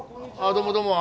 どうもどうも。